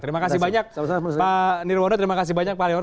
terima kasih banyak pak nirwono terima kasih banyak pak leonar